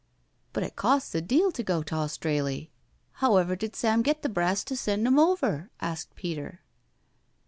" But it costs a deal to go t* Australy. However did Sam get the brass to send 'em?" asked Peter.